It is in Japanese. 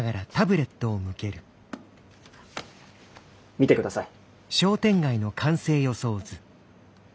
見てください。